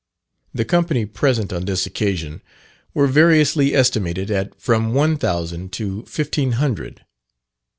The company present on this occasion were variously estimated at from one thousand to fifteen hundred.